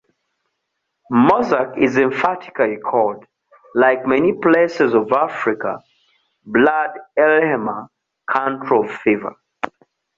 Mourzuk is emphatically called, like many places of Africa, "Blad Elhemah", country of fever.